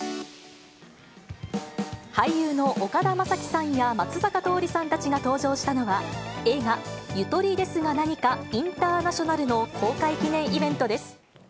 俳優の岡田将生さんや松坂桃李さんたちが登場したのは、映画、ゆとりですがなにかインターナショナルの公開記念イベントです。